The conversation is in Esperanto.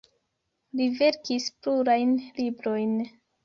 Li verkis plurajn librojn.